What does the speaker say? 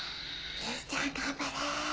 唯ちゃん頑張れ。